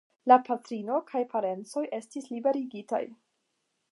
La patrino kaj parencoj estis liberigitaj.